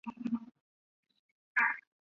时为十月癸酉朔十八日庚寅。